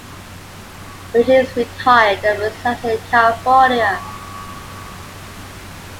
Burgee is retired, and resides in California.